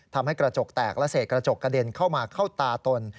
ทำให้กระจกแตกและเศษกระจกกระเด็นเข้ามาเข้าตาตน